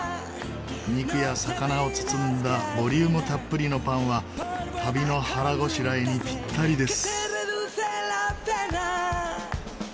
肉や魚を包んだボリュームたっぷりのパンは旅の腹ごしらえにぴったりです。